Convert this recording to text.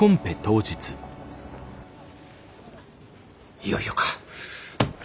いよいよか。